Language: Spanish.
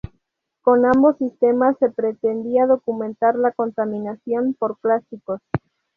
Con ambos sistemas se pretendía documentar la contaminación por plásticos.